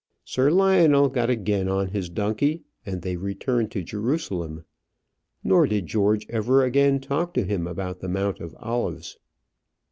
Sir Lionel got again on his donkey, and they returned to Jerusalem; nor did George ever again talk to him about the Mount of Olives.